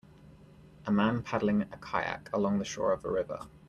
A man paddling a kayak along the shore of a river.